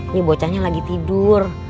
ini bocanya lagi tidur